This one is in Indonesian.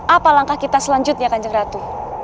apa langkah kita selanjutnya kanjeng ratu